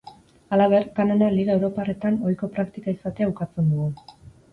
Halaber, kanona liga europarretan ohiko praktika izatea ukatzen dugu.